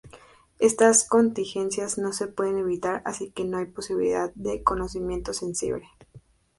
Estas contingencias no se pueden evitar, así que no hay posibilidad de conocimiento sensible.